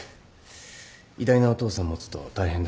偉大なお父さんを持つと大変だ。